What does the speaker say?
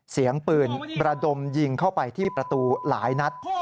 เสียงปืนระดมยิงเข้าไปที่ประตูหลายนัด